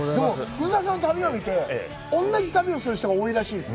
福澤さんの旅を見て同じ旅をする人が多いらしいですよ。